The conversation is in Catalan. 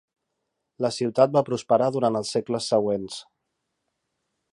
La ciutat va prosperar durant els segles següents.